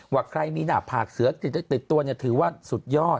ว่าใครมีหน้าผากเสือติดตัวถือว่าสุดยอด